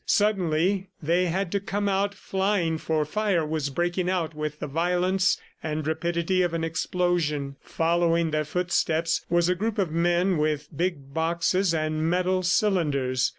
Suddenly they had to come out flying, for fire was breaking out with the violence and rapidity of an explosion. Following their footsteps was a group of men with big boxes and metal cylinders.